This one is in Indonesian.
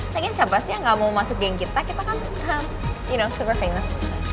lagian siapa sih yang gak mau masuk geng kita kita kan you know super famous